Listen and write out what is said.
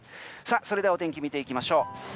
さあ、それではお天気見ていきましょう。